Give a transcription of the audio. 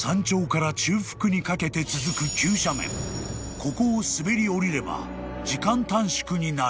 ［ここを滑り降りれば時間短縮になる］